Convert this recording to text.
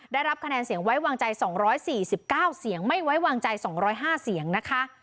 ได้รับคะแนนเสียงไว้วางใจสองร้อยสี่สิบเก้าเสียงไม่ไว้วางใจสองร้อยห้าเสียงนะคะ